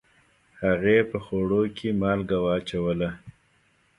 هغې په خوړو کې مالګه واچوله